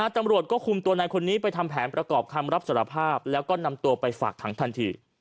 ตำรวจก็คุมตัวนายคนนี้ไปทำแผนประกอบคำรับสารภาพแล้วก็นำตัวไปฝากขังทันที